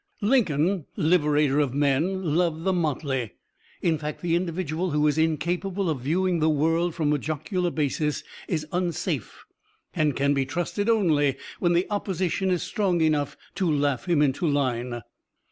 Lincoln, liberator of men, loved the motley. In fact, the individual who is incapable of viewing the world from a jocular basis is unsafe, and can be trusted only when the opposition is strong enough to laugh him into line.